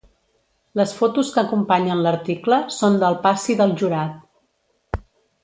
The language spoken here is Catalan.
Les fotos que acompanyen l’article són del passi del jurat.